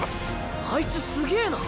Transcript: あいつすげぇな。